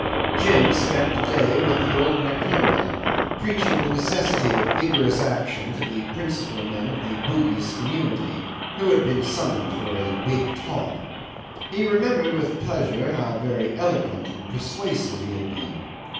Jim spent the day with the old nakhoda, preaching the necessity of vigorous action to the principal men of the Bugis community, who had been summoned for a big talk. He remembered with pleasure how very eloquent and persuasive he had been.